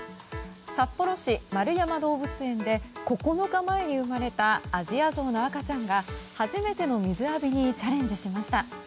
札幌市円山動物園で９日前に生まれたアジアゾウの赤ちゃんが初めての水浴びにチャレンジしました。